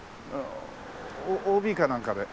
ＯＢかなんかで。